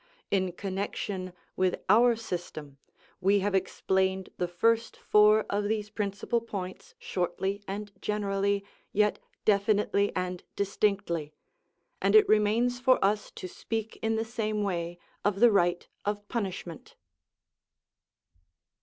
In connection with our system, we have explained the first four of these principal points shortly and generally, yet definitely and distinctly, and it remains for us to speak in the same way of the right of punishment.